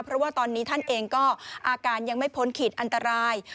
เพราะว่าตอนนี้ท่านเองก็อาการยังไม่พ้นขีดอันตราย